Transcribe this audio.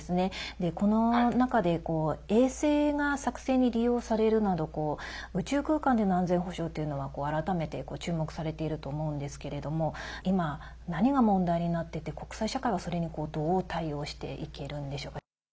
この中で衛星が作戦に利用されるなど宇宙空間での安全保障というのが改めて注目されていると思うんですけれども今、何が問題になっていて国際社会は、それにどう対応していけるんでしょうか。